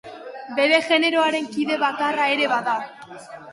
Bere generoaren kide bakarra ere bada.